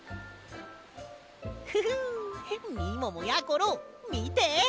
ふふんみももやころみて！